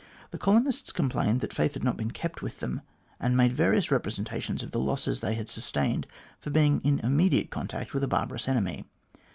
The colonists complained that faith had not been kept with them, and made various representations of the losses they had sus tained from being in immediate contact with a barbarous enemy.